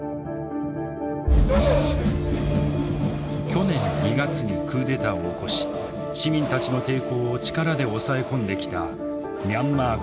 去年２月にクーデターを起こし市民たちの抵抗を力で抑え込んできたミャンマー軍。